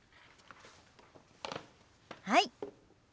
はい。